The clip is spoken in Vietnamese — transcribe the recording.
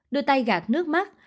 đôi tay gạt nước mắt